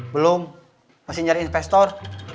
belum masih nyari investor